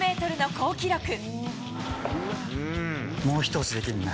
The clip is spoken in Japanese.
もう一押しできるな。